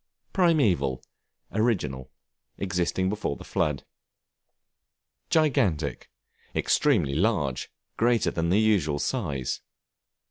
Primeval, original, existing before the flood. Gigantic, extremely large, greater than the usual size.